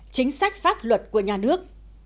chính sách pháp luật của nhà nước